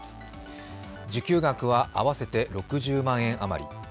受給額は合わせて６０万円余り。